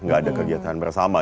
gak ada kegiatan bersama